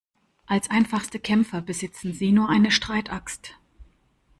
Als einfachste Kämpfer besitzen sie nur eine Streitaxt.